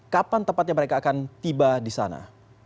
kapan tepatnya mereka akan tiba di sana